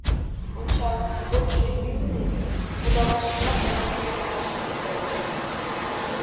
Ончал, почшо ӱлнӧ, кудалашыжат ала-кузе ӧрмашан кудалеш.